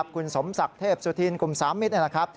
คุณสมศักดิ์เทพสุธีนกลุ่ม๓มิตร